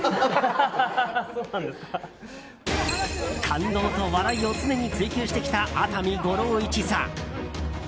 感動と笑いを常に追求してきた熱海五郎一座。